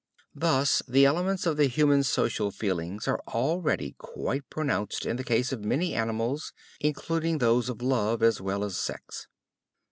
Thus the elements of the human social feelings are already quite pronounced in the case of many animals, including those of love as well as sex.